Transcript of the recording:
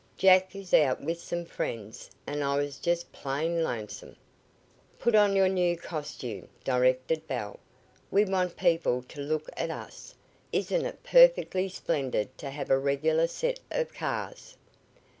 Jack is out with some friends, and I was just plain lonesome." "Put on your new costume," directed Belle. "We want people to look at us. Isn't it perfectly splendid to have a regular set of cars?"